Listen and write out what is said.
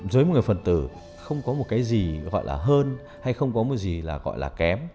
với một người phần tử không có một cái gì gọi là hơn hay không có một cái gì gọi là kém